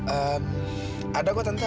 ehm ada kok tante